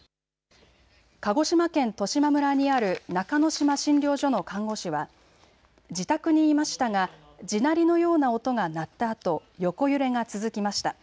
鹿児島県十島村にある中之島診療所の看護師は自宅にいましたが地鳴りのような音が鳴ったあと横揺れが続きました。